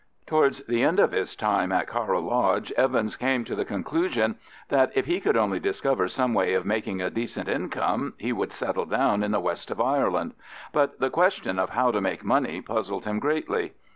Towards the end of his time at Carra Lodge, Evans came to the conclusion that, if he could only discover some way of making a decent income, he would settle down in the west of Ireland; but the question of how to make money puzzled him greatly.